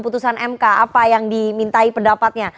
putusan mk apa yang dimintai pendapatnya